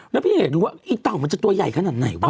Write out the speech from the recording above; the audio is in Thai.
แล้วพี่อยากดูว่าอีเต่ามันจะตัวใหญ่ขนาดไหนวะ